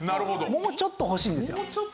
もうちょっと欲しいんですよ。